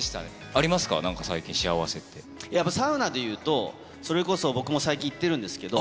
ありますか、なんか最近、幸せっやっぱサウナでいうと、それこそ僕も最近行ってるんですけど。